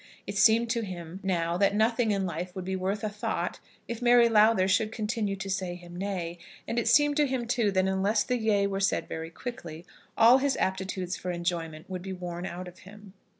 It seemed to him now that nothing in life would be worth a thought if Mary Lowther should continue to say him nay; and it seemed to him, too, that unless the yea were said very quickly, all his aptitudes for enjoyment would be worn out of him.